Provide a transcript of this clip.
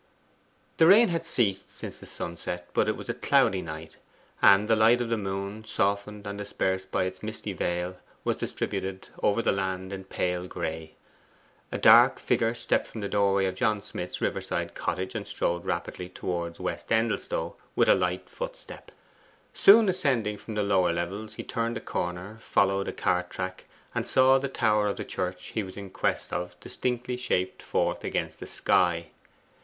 The rain had ceased since the sunset, but it was a cloudy night; and the light of the moon, softened and dispersed by its misty veil, was distributed over the land in pale gray. A dark figure stepped from the doorway of John Smith's river side cottage, and strode rapidly towards West Endelstow with a light footstep. Soon ascending from the lower levels he turned a corner, followed a cart track, and saw the tower of the church he was in quest of distinctly shaped forth against the sky.